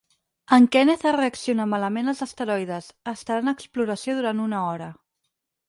En Kenneth ha reaccionat malament als esteroides, estarà en exploració durant una hora,